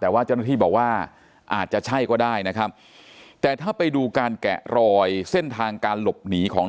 แต่ว่าเจ้าหน้าที่บอกว่าอาจจะใช่ก็ได้นะครับแต่ถ้าไปดูการแกะรอยเส้นทางการหลบหนีของ